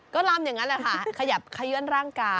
ก็ลำอย่างนั้นแหละค่ะขยับขยื่นร่างกาย